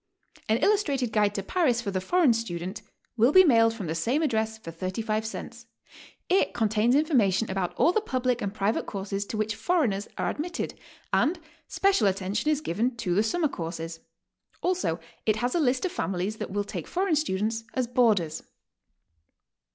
An Illustrated Guide to Paris for the Foreign Student will be mailed from the same address for 35 cents; it contains information about all the public and priVaite courses to which foreigners are admitted, and special attention is given to the summer courses; also it has a list of families that will take foreign students as boarders.